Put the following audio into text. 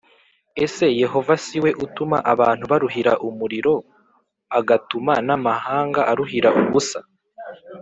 Ese Yehova si we utuma abantu baruhira umuriro agatuma n amahanga aruhira ubusa